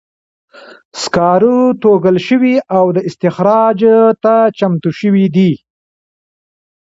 سکاره توږل شوي او استخراج ته چمتو شوي دي.